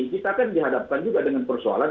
kita kan dihadapkan juga dengan persoalan